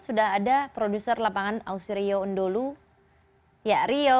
sudah ada produser lapangan ausrio undolu ya rio